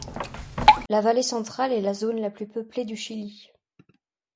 La Vallée Centrale est la zone la plus peuplée du Chili.